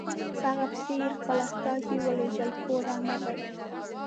په هغه پسې یې خپل استازي ورولېږل خو رانغی.